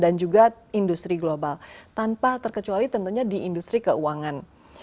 dan juga industri global tanpa terkecuali tentunya di industri keuangan